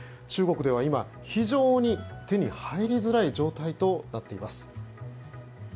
中国では今、非常に手に入りづらい状態となっているんです。